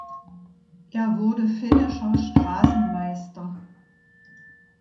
Er wurde finnischer Straßenmeister.